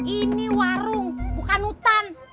ini warung bukan hutan